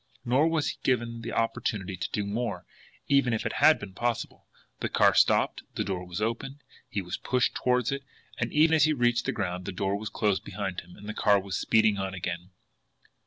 Nor was he given the opportunity to do more, even had it been possible. The car stopped, the door was opened, he was pushed toward it and even as he reached the ground, the door was closed behind him, and the car was speeding on again.